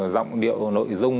rọng điệu nội dung